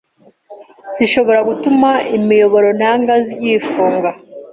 zishobora gutuma imiyoborantanga yifunga